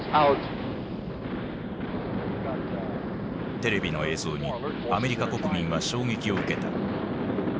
テレビの映像にアメリカ国民は衝撃を受けた。